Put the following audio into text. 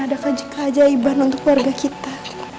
ada keajaiban untuk keluarga kita